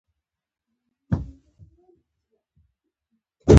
او دا خلک به پلستر د څۀ نه کوي ـ